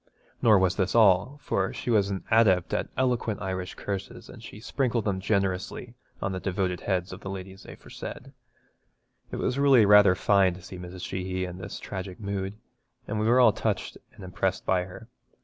Nor was this all, for she was an adept at eloquent Irish curses, and she sprinkled them generously on the devoted heads of the ladies aforesaid. It was really rather fine to see Mrs. Sheehy in this tragic mood, and we were all touched and impressed by her.